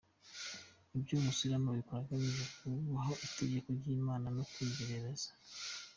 Ibyo umusilamu abikora agamije kubaha itegeko ry’Imana no kuyiyegereza.